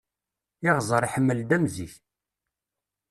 Iɣẓer iḥemmel-d am zik.